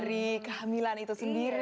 hari kehamilan itu sendiri